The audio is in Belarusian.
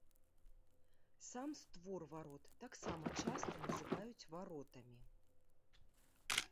Сам створ варот таксама часта называюць варотамі.